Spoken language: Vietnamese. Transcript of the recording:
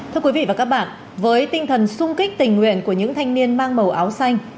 thưa quý vị và các bạn với tinh thần sung kích tình nguyện của những thanh niên mang màu áo xanh